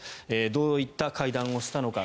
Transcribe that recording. どういった会談をしたのか。